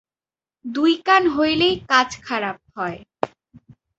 দুই-কান হইলেই কাজ খারাপ হয়।